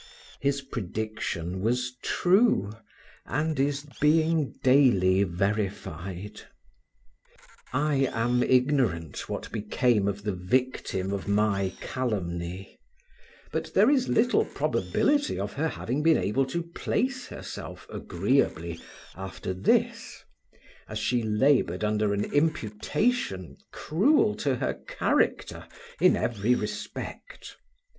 His prediction was true, and is being daily verified. I am ignorant what became of the victim of my calumny, but there is little probability of her having been able to place herself agreeably after this, as she labored under an imputation cruel to her character in every respect.